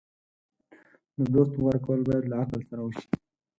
د دوست غوره کول باید له عقل سره وشي.